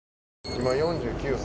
今４９分。